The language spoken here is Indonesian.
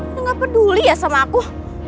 udah gak peduli ya sama aku